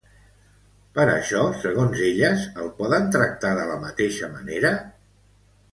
Per això, segons elles, el poden tractar de la mateixa manera?